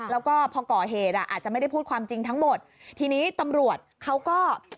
แล้วก็พอก่อเหตุอ่ะอาจจะไม่ได้พูดความจริงทั้งหมดทีนี้ตำรวจเขาก็